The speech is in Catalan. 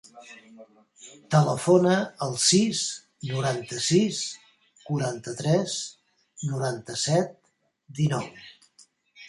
Telefona al sis, noranta-sis, quaranta-tres, noranta-set, dinou.